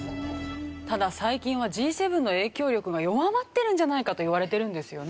ただ最近はＧ７の影響力が弱まってるんじゃないかと言われてるんですよね。